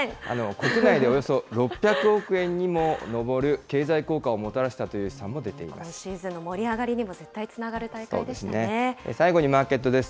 国内でおよそ６００億円にも上る経済効果をもたらしたという今シーズンの盛り上がりにも最後にマーケットです。